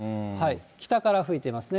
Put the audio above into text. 北から吹いてますね。